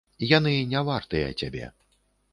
Яны не вартыя цябе.